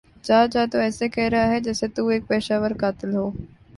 جاجا تو ایسے کہ رہا ہے جیسے تو ایک پیشہ ور قاتل ہو